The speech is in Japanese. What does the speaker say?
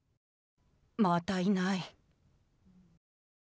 またいない。